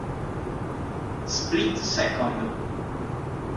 Split Second